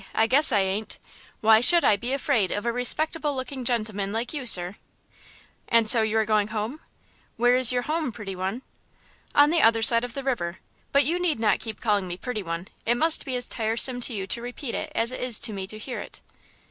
I guess I ain't! Why should I be afraid of a respectable looking gentleman like you, sir?" "And so you are going home? Where is your home, pretty one?" "On the other side of the river. But you need not keep calling me 'pretty one; 'it must be as tiresome to you to repeat it as it is to me to hear it."